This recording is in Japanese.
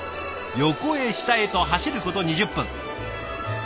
横へ下へと走ること２０分。